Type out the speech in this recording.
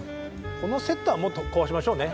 このセットはもう壊しましょうね。